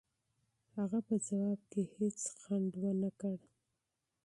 هغه په ځواب کې هېڅ ځنډ و نه کړ.